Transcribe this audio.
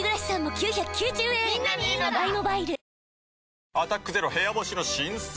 わかるぞ「アタックＺＥＲＯ部屋干し」の新作。